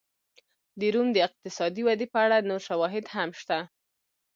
د روم د اقتصادي ودې په اړه نور شواهد هم شته.